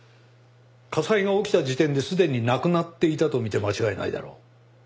火災が起きた時点ですでに亡くなっていたとみて間違いないだろう。